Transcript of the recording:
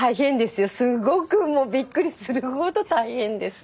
すごくもうびっくりするほど大変です。